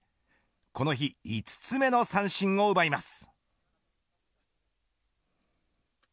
この日５つ目の三振を奪います。